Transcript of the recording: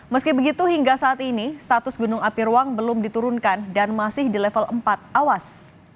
meski begitu hingga saat ini status gunung api ruang belum diturunkan dan masih di level empat awas